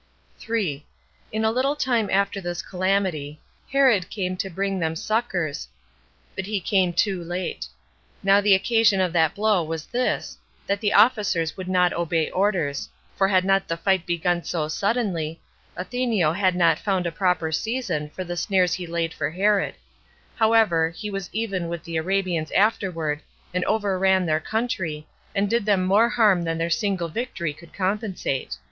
3. In a little time after this calamity, Herod came to bring them succors; but he came too late. Now the occasion of that blow was this, that the officers would not obey orders; for had not the fight begun so suddenly, Athenio had not found a proper season for the snares he laid for Herod: however, he was even with the Arabians afterward, and overran their country, and did them more harm than their single victory could compensate.